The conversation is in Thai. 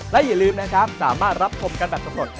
และอย่าลืมนะครับสามารถรับชมกันแบบสำรวจ